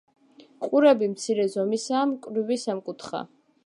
ყურები მცირე ზომისაა, მკვრივი, სამკუთხა.